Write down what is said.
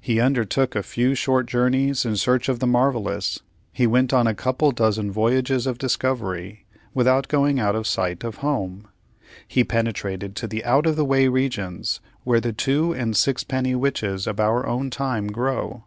He undertook a few short journeys in search of the marvellous; he went on a couple of dozen voyages of discovery without going out of sight of home; he penetrated to the out of the way regions, where the two and sixpenny witches of our own time grow.